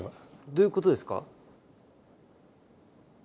どういうことですか？